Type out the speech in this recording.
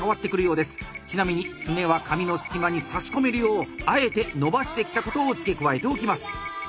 ちなみに爪は紙の隙間にさし込めるようあえて伸ばしてきたことを付け加えておきます。